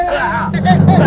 sini sini gue bantu